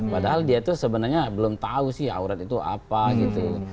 padahal dia itu sebenarnya belum tahu sih aurat itu apa gitu